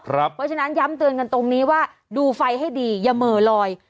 เพราะฉะนั้นย้ำเตือนกันตรงนี้ว่าดูไฟให้ดีอย่าเหม่อลอย